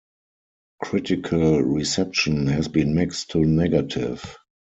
Critical reception has been mixed to negative.